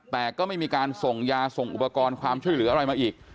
แต่ก็ไม่มีการส่งยาส่งอุปกรณ์ความช่วยเหลืออะไรมาอีก